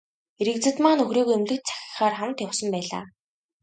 Эрэгзэдмаа нөхрийгөө эмнэлэгт сахихаар хамт явсан байлаа.